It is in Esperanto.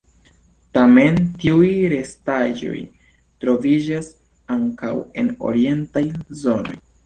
Tamen tiuj restaĵoj troviĝas ankaŭ en orientaj zonoj.